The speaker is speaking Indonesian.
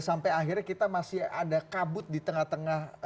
sampai akhirnya kita masih ada kabut di tengah tengah